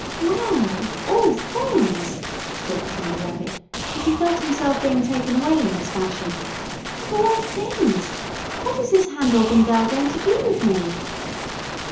"Well, of all things!" thought the Candy Rabbit, as he felt himself being taken away in this fashion. "Of all things! What is this hand organ girl going to do with me?"